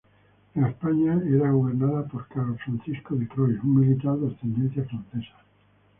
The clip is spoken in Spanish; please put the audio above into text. Nueva España era gobernada por Carlos Francisco de Croix, un militar de ascendencia francesa.